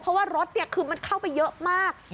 เพราะว่ารถคือมันเข้าไปเยอะมาก